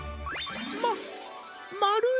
ままるい！